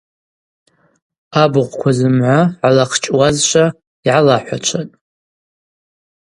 Абыхъвква зымгӏва гӏалахчӏуазшва йгӏалахӏвачватӏ.